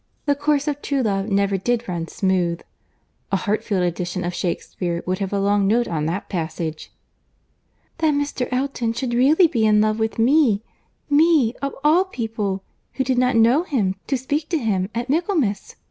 The course of true love never did run smooth— A Hartfield edition of Shakespeare would have a long note on that passage." "That Mr. Elton should really be in love with me,—me, of all people, who did not know him, to speak to him, at Michaelmas!